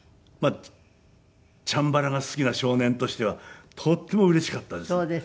チャンバラが好きな少年としてはとってもうれしかったですね。